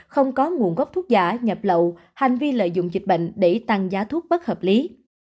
không có nguồn gốc thuốc giả nhập lậu hành vi lợi dụng dịch bệnh để tăng giá thuốc bất hợp lý